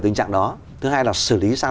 tình trạng đó thứ hai là xử lý sang